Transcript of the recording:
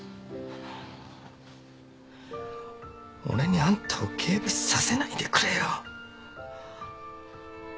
俺にあんたを軽蔑させないでくれよ。